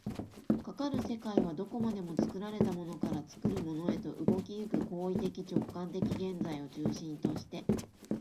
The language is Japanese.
かかる世界はどこまでも作られたものから作るものへと、動き行く行為的直観的現在を中心として、